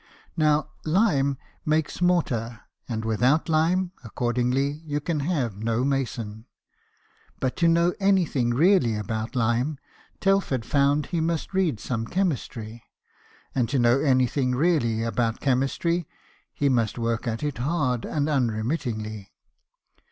Now, lime makes mortar ; and without lime, accordingly, you can have no mason. But to know anything really about lime, Telford found he must read some chemistry ; and to THOMAS TELFORD, STONEMASON. 17 know anything really about chemistry he must work at it hard and unremittingly.